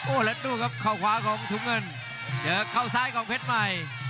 แล้วดูครับเข้าขวาของถุงเงินเจอเข้าซ้ายของเพชรใหม่